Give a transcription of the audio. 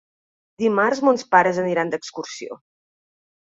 Dimarts mons pares aniran d'excursió.